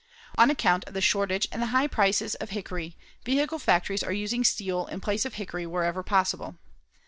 On account of the shortage and the high prices of hickory, vehicle factories are using steel in place of hickory wherever possible.